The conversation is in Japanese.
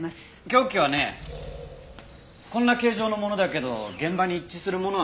凶器はねこんな形状のものだけど現場に一致するものはなかったよ。